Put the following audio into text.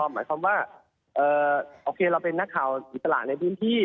หมายความว่าโอเคเราเป็นนักข่าวอิสระในพื้นที่